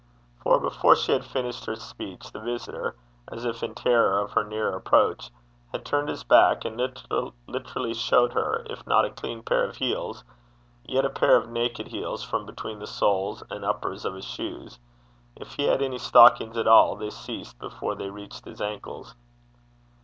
For, before she had finished her speech, the visitor, as if in terror of her nearer approach, had turned his back, and literally showed her, if not a clean pair of heels, yet a pair of naked heels from between the soles and uppers of his shoes: if he had any stockings at all, they ceased before they reached his ankles.